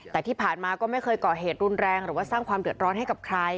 แต่ที่ผ่านมาก็ไม่เคยก่อเหตุรุนแรงหรือว่าสร้างความเดือดร้อนให้กับใคร